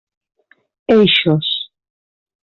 Eixos: